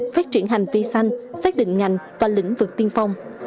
phát triển hành vi xanh xác định ngành và lĩnh vực tiên phong